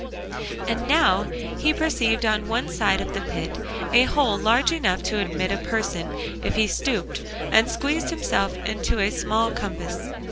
And now he perceived on one side of the pit a hole large enough to admit a person if he stooped and squeezed himself into a small compass.